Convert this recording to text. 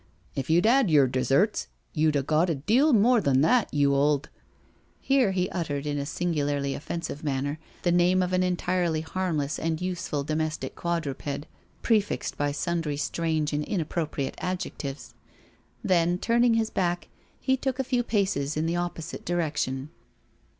If you'd 'ad yer deserts you'd a got a deal more than that, you old ..." Here he uttered, in a singu larly offensive manner, the name of an entirely harmless and useful domestic quadruped, prefixed by sundry strange and inappropriate adjectives. Then, turning his back, he took a few paces in the opposite direc tion.